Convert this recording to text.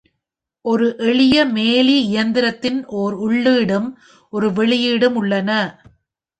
ஓர் எளிய மேலி இயந்திரத்தில் ஓர் உள்ளீடும் ஒரு வெளியீடும் உள்ளன.